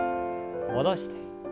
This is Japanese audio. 戻して。